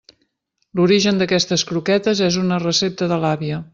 L'origen d'aquestes croquetes és una recepta de l'àvia.